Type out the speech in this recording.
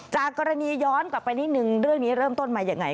จากกรณีย้อนกลับไปนิดนึงเรื่องนี้เริ่มต้นมายังไง